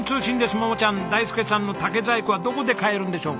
桃ちゃん大介さんの竹細工はどこで買えるんでしょうか？